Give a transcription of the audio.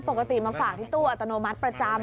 ปกติมาฝากที่นี่ประจำไหม